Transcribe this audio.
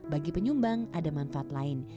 bagi penyumbang ada manfaat lain